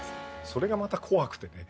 それがまた怖くてね。